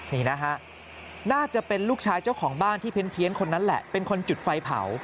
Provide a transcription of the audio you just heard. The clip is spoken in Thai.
นี่นะฮะน่าจะเป็นลูกชายเจ้าของบ้านที่เพี้ยนคนนั้นแหละเป็นคนจุดไฟเผา